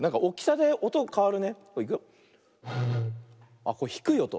ああひくいおと。